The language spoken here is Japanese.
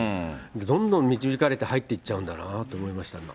どんどん導かれて、入っていっちゃうんだなと思いました、今。